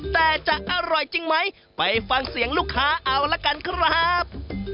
แต่จะอร่อยจริงไหมไปฟังเสียงลูกค้าเอาละกันครับ